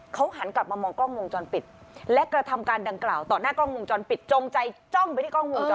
เขาหันกลับมามองกล้องวงจรปิดและกระทำการดังกล่าวต่อหน้ากล้องวงจรปิดจงใจจ้องไปที่กล้องวงจร